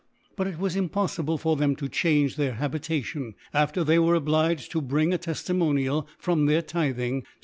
But it was impoffible * for them to change their Habitation, after ' they were obliged to bring a Te(\imo * nial fr6m their Tithing, CO